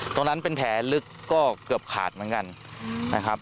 ตรงนั้นเป็นแผลลึกก็เกือบขาดเหมือนกันนะครับ